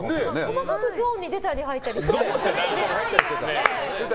細かくゾーンに出たり入ったりしてた。